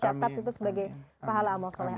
catat itu sebagai pahala amal soleh